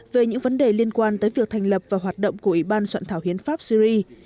về những vấn đề liên quan tới việc thành lập và hoạt động của ủy ban soạn thảo hiến pháp syri